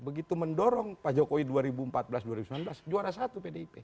begitu mendorong pak jokowi dua ribu empat belas dua ribu sembilan belas juara satu pdip